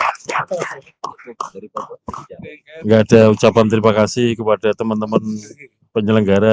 tidak ada ucapan terima kasih kepada teman teman penyelenggara